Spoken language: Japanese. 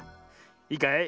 いいかい？